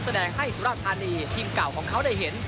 แสดงให้สุรธานีทีมเก่าของเขาได้เห็น